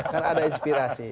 kan ada inspirasi